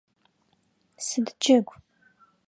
Сыд джэгу?